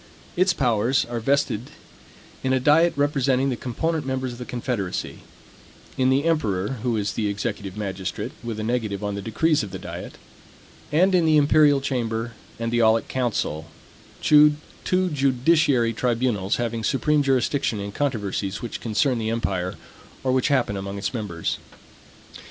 Its powers are vested in a diet representing the component members of the confederacy; in the emperor, who is the executive magistrate, with a negative on the decrees of the diet; and in the imperial chamber and the aulic council, two judiciary tribunals having supreme jurisdiction in controversies which concern the empire, or which happen among its members.